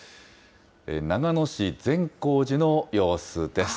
長野市善光寺の様子です。